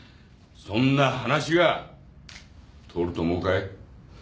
そんな話が通ると思うかい？